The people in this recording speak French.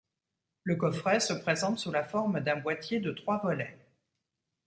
Le coffret se présente sous la forme d'un boîtier de trois volets.